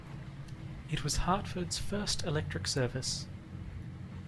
It was Hartford's first electric service.